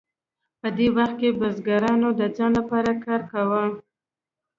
په دې وخت کې بزګرانو د ځان لپاره کار کاوه.